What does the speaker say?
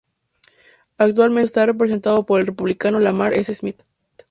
Actualmente el distrito está representado por el Republicano Lamar S. Smith.